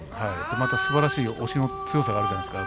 またすばらしい押しの強さがあるじゃないですか。